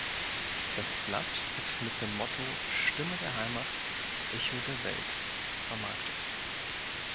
Das Blatt wird mit dem Motto „Stimme der Heimat, Echo der Welt“ vermarktet.